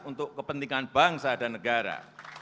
untuk kepentingan bangsa dan negara